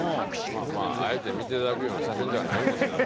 あえて見ていただくような写真ではないんですけどね。